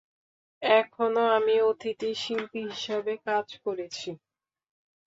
এখানে আমি অতিথি শিল্পী হিসেবে কাজ করেছি।